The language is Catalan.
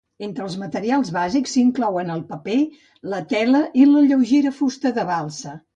Entre els materials bàsics s'inclouen el paper, la tela i la lleugera fusta de balsa.